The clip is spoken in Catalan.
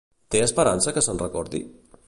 Té esperança que se'n recordi?